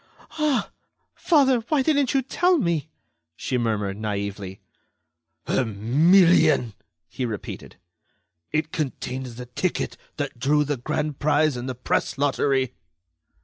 "Ah! father, why didn't you tell me?" she murmured, naively. "A million!" he repeated. "It contained the ticket that drew the grand prize in the Press Lottery."